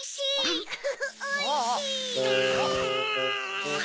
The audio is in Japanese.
ウフフおいしい！